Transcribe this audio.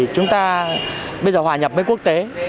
chúng ta bây giờ hòa nhập với quốc tế